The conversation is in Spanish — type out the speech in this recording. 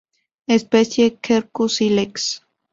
Especie: Quercus ilex.